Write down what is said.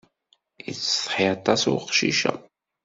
Yettsetḥi aṭas weqcic-a.